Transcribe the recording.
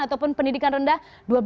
ataupun pendidikan rendah